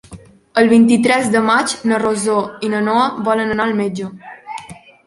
El vint-i-tres de maig na Rosó i na Noa volen anar al metge.